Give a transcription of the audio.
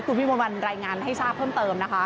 คุณพี่มนต์วันรายงานให้ทราบเพิ่มเติมนะคะ